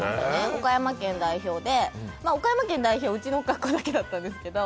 岡山県代表で、岡山県代表はうちの学校だけだったんですけど。